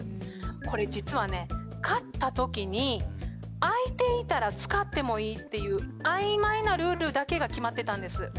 これ実はね買った時に空いていたら使ってもいいっていう曖昧なルールだけが決まってたんです。